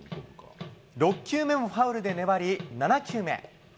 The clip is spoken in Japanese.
６球目もファウルで粘り、７球目。